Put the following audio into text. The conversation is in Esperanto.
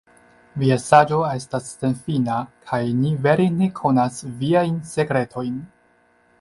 Via saĝo estas senfina, kaj ni vere ne konas Viajn sekretojn!